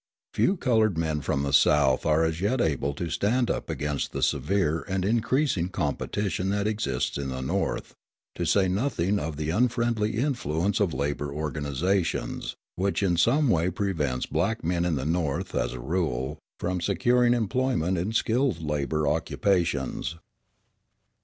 Few coloured men from the South are as yet able to stand up against the severe and increasing competition that exists in the North, to say nothing of the unfriendly influence of labour organisations, which in some way prevents black men in the North, as a rule, from securing employment in skilled labour occupations.